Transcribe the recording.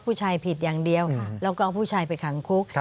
ผิดอย่างเดียวแล้วก็เอาผู้ชายไปขังคุก